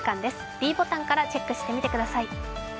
ｄボタンからチェックしてみてください。